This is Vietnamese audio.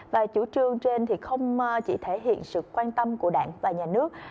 và chủ trương trên thì không chỉ thể hiện sự quan tâm của đảng và nhà nước